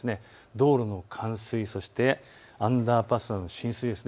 道路の冠水、そしてアンダーパスなどの浸水です。